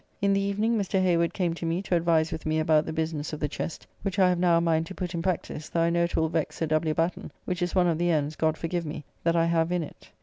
In the evening Mr. Hayward came to me to advise with me about the business of the Chest, which I have now a mind to put in practice, though I know it will vex Sir W. Batten, which is one of the ends (God forgive me) that I have in it.